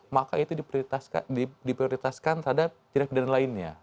maka itu diprioritaskan terhadap tindak pidana lainnya